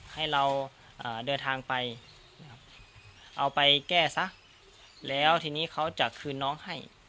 ให้เราเดินทางไปนะครับเอาไปแก้ซะแล้วทีนี้เขาจะคืนน้องให้